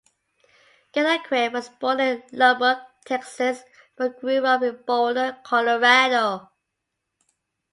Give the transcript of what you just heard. Goodacre was born in Lubbock, Texas, but grew up in Boulder, Colorado.